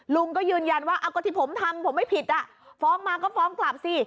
ลุงก็ยืนยันว่าก็ที่ผมทำผมไม่ผิดอ่ะฟ้องมาก็ฟ้องกลับสิ